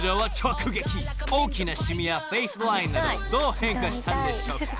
［大きなシミやフェイスラインなどどう変化したんでしょうか］